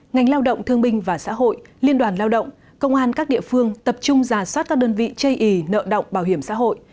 ngành lao động thương binh và xã hội liên đoàn lao động công an các địa phương tập trung giả soát các đơn vị chây ý nợ động bảo hiểm xã hội